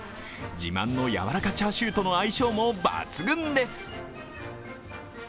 自慢のやわらかチャーシューとの相性も抜群です。